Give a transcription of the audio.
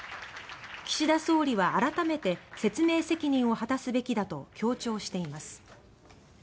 岸田総理は改めて説明責任を果たすべきだと強調しています。